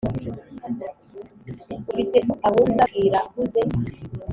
Ufite icyo abunza bwira aguze.